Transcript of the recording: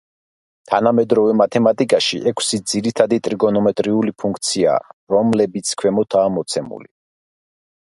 თანამედროვე მათემატიკაში ექვსი ძირითადი ტრიგონომეტრიული ფუნქციაა, რომლებიც ქვემოთაა მოცემული.